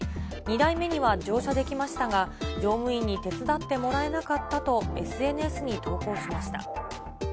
２台目には乗車できましたが、乗務員に手伝ってもらえなかったと、ＳＮＳに投稿しました。